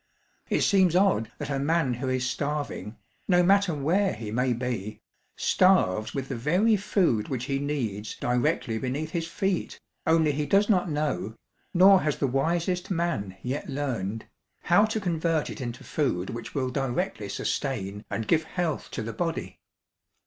It seems odd that a man who is starving, no matter where he may be, starves with the very food which he needs directly beneath his feet, only he does not know, nor has the wisest man yet learned, how to convert it into food which will directly sustain and give health to the body.